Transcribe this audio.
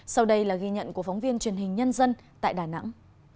sau đây là ghi nhận của phóng viên truyền hình nhân dân tại đà nẵng